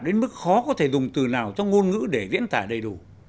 đến mức khó có thể dùng từ nào trong ngôn ngữ để diễn tả đầy đủ